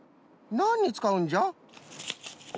なんにつかうんじゃ？